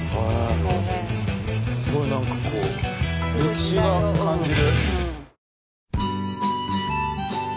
すごい何かこう歴史を感じる。